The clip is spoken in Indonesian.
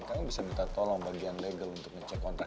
kamu bisa minta tolong bagian legal untuk ngecek kontrak